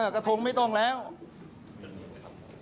กระทุ่งไม่ต้องแล้วครับ